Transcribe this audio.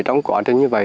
trong quá trình như vậy